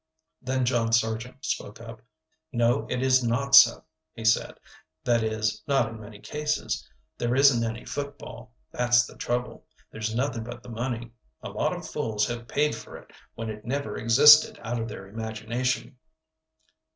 Then John Sargent spoke up. "No, it is not so," he said "that is, not in many cases. There isn't any football that's the trouble. There's nothing but the money; a lot of fools have paid for it when it never existed out of their imagination."